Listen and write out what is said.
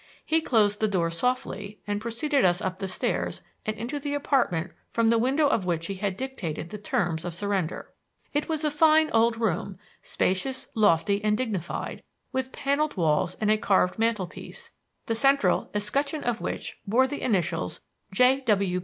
He closed the door softly and preceded us up the stairs and into the apartment from the window of which he had dictated the terms of surrender. It was a fine old room, spacious, lofty, and dignified, with paneled walls and a carved mantelpiece, the central escutcheon of which bore the initials "J.